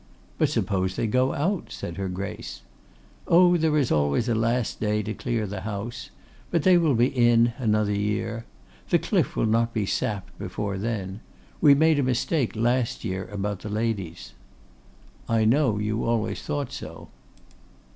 'But suppose they go out,' said her Grace. 'Oh! there is always a last day to clear the House. But they will be in another year. The cliff will not be sapped before then. We made a mistake last year about the ladies.' 'I know you always thought so.